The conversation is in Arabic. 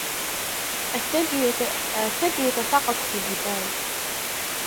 الثلج يتساقط في الجبال.